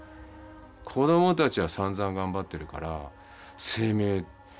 子どもたちはさんざん頑張ってるから責めたね